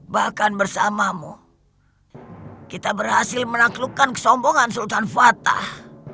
bahkan bersamamu kita berhasil menaklukkan kesombongan sultan fatah